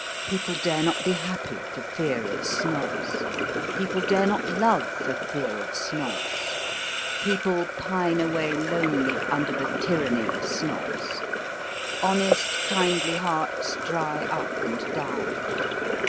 People dare not be happy for fear of Snobs. People dare not love for fear of Snobs. People pine away lonely under the tyranny of Snobs. Honest kindly hearts dry up and die.